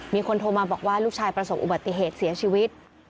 มีคนโทรมาบอกว่าลูกชายประสบอุบัติเหตุเสียชีวิต